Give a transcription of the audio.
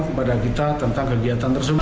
kepada kita tentang kegiatan tersebut